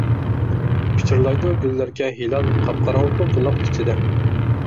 پىچىرلايدۇ گۈللەرگە ھىلال، قاپقاراڭغۇ بۇلاق ئىچىدە.